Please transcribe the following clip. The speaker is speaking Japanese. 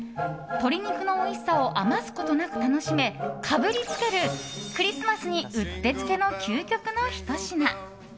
鶏肉のおいしさを余すことなく楽しめ、かぶりつけるクリスマスにうってつけの究極のひと品。